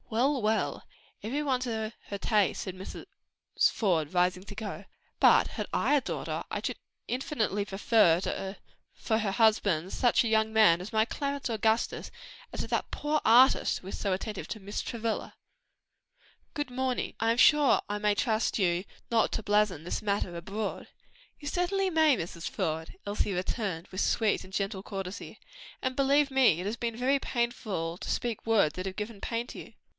"Well, well, every one to her taste!" said Mrs. Faude, rising to go, "but had I a daughter, I should infinitely prefer for her husband, such a young man as my Clarence Augustus to such as that poor artist who is so attentive to Miss Travilla. "Good morning. I am sure I may trust you not to blazon this matter abroad?" "You certainly may, Mrs. Faude," Elsie returned with sweet and gentle courtesy, "and believe me, it has been very painful to me to speak words that have given pain to you."